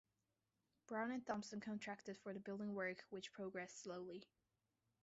Brown and Thompson contracted for the building work, which progressed slowly.